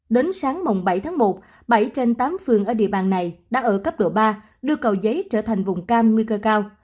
đến sáng bảy tháng một bảy trên tám phường ở địa bàn này đã ở cấp độ ba đưa cầu giấy trở thành vùng cam nguy cơ cao